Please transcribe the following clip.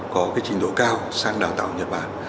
có cái trình độ cao sang đào tạo nhật bản